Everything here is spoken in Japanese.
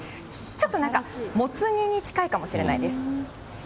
ちょっとなんか、モツ煮に近いかもしれないです。